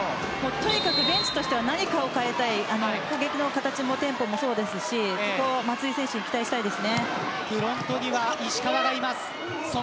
とにかくベンチとしては何かを変えたい攻撃の形もテンポもそうですしそこを松井選手に期待したいです。